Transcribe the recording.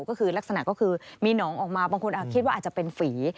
ก็คือลักษณะก็คือมีหนองออกมาบางคนคิดว่าอาจจะเป็นฝี